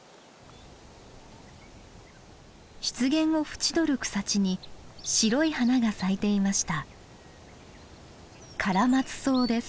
湿原を縁取る草地に白い花が咲いていました。